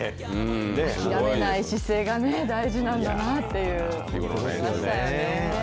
諦めない姿勢が大事なんだなっていう、思いましたよね。